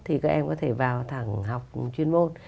thì các em có thể vào thẳng học chuyên môn